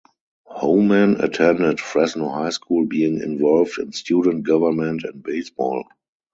Homan attended Fresno High School being involved in student government and baseball.